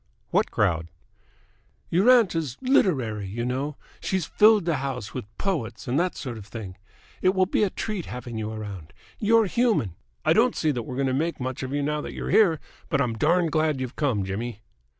"What crowd?" "Your aunt is literary, you know. She's filled the house with poets and that sort of thing. It will be a treat having you around. You're human! I don't see that we're going to make much of you now that you're here, but I'm darned glad you've come, Jimmy!"